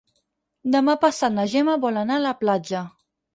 Demà passat na Gemma vol anar a la platja.